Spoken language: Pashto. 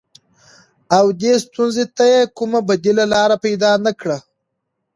او دې ستونزې ته يې کومه بديله لاره پيدا نه کړه.